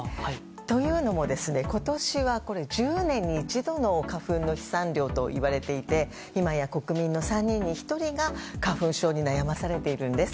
というのも、今年は１０年に一度の花粉の飛散量といわれていて今や国民の３人に１人が花粉症に悩まされているんです。